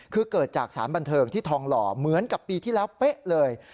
คือเกิดจากสารบันเทิงที่ทองหล่อเหมือนกับปีที่แล้วเป๊ะเลย